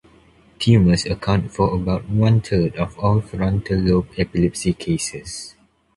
Tumors account for about one third of all frontal lobe epilepsy cases.